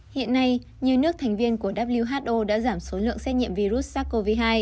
hiện nay nhiều nước thành viên của who đã giảm số lượng xét nghiệm virus sars cov hai